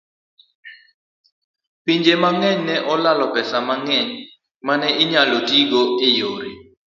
Pinje mang'eny ne olalo pesa mang'eny ma ne inyalo tigo e yore